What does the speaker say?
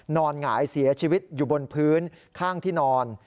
หงายเสียชีวิตอยู่บนพื้นข้างที่นอน